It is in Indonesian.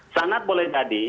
sangat boleh jadi